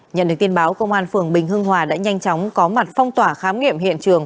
nhận được tin báo công an phường bình hưng hòa đã nhanh chóng có mặt phong tỏa khám nghiệm hiện trường